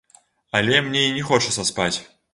Але мне і не хочацца спаць.